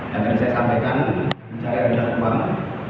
dan saya sampaikan secara tidak kebang